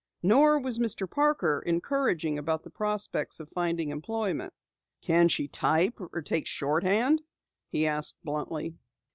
Nor was Mr. Parker encouraging about the prospects of finding employment. "Can she type or take shorthand?" he asked bluntly.